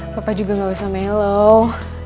papa juga gak usah melo